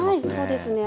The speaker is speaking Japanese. そうですね